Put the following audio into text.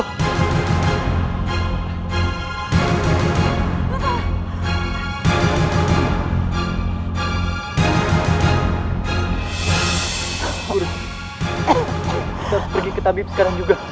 kita harus pergi ke tabib sekarang juga